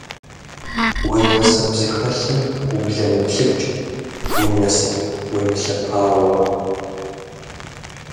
Уи насып зыхэлъым ублэмыплъыкӏ, уи насып уемылъэпауэ.